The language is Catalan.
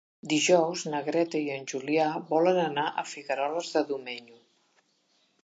Dijous na Greta i en Julià volen anar a Figueroles de Domenyo.